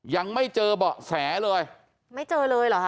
ยังไม่เจอเบาะแสเลยไม่เจอเลยเหรอฮะ